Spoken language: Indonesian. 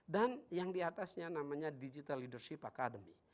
dan yang diatasnya namanya digital leadership academy